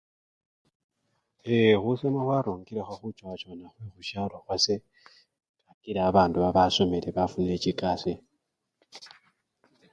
Yee! khusoma khwarungilekho khuchowa chowana khusyalo khwase kakila babandu basomile bafunile chikasi.